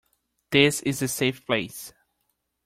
This is a safe place.